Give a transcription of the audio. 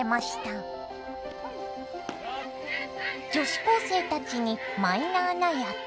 女子高生たちにマイナーな野球。